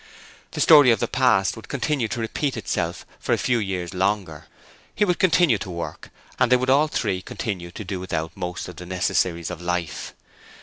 The story of the past would continue to repeat itself for a few years longer. He would continue to work and they would all three continue to do without most of the necessaries of life.